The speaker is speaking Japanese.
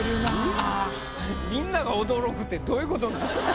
みんなが驚くってどういうことなん？